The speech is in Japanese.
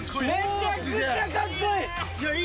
めちゃくちゃかっこいい！